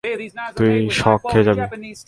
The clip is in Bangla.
তুই শক খেয়ে যাবি।